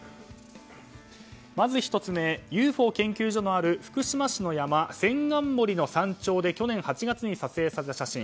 まず１つ目、ＵＦＯ研究所のある福島市の山千貫森の山頂で去年８月に撮影された写真。